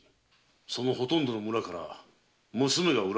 そのほとんどの村から娘が売られてきている。